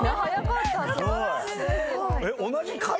すごい。